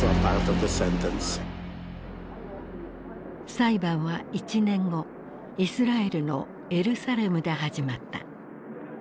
裁判は１年後イスラエルのエルサレムで始まった。